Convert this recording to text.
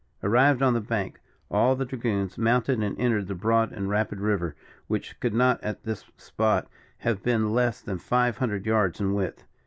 Arrived on the bank, all the dragoons mounted and entered the broad and rapid river, which could not at this spot have been less than five hundred yards in width.